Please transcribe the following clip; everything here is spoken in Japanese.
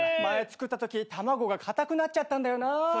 前作ったとき卵がかたくなっちゃったんだよなぁ。